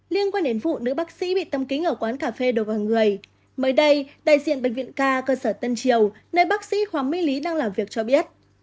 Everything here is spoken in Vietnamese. liên quan đến vụ nữ bác sĩ bị tâm kính ở quán cà phê đồ và người mới đây đại diện bệnh viện k cơ sở tân triều nơi bác sĩ khoảng minh lý đang làm việc cho biết